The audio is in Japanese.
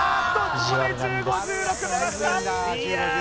ここで１５１６逃した！